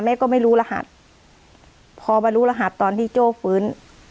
ก็ไม่รู้รหัสพอมารู้รหัสตอนที่โจ้ฟื้น